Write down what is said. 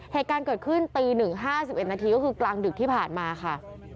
เหตุการณ์เกิดขึ้นตี๑๕๑นาทีก็คือกลางดึกที่ผ่านมาค่ะ